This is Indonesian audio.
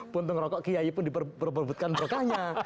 puntung rokok kiai pun diperbutkan berkanya